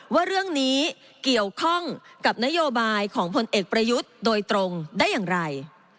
ว่าเรื่องนี้เกี่ยวข้องกับนโยบายของผลเอกประยุทธ์โดยตรงได้อย่างไร